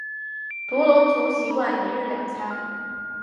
独龙族习惯一日两餐。